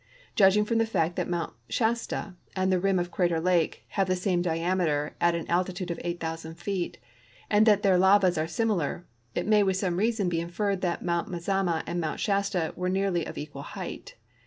Judging from the fact that Mount Shasta and the rim of Crater lake have the same diameter at an altitude of 8,000 feet, and that their lavas are similar, it may with some reason be inferred that INIount Mazama and Mount Shasta were nearly of equal height.